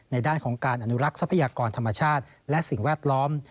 ด้านของการอนุรักษ์ทรัพยากรธรรมชาติและสิ่งแวดล้อม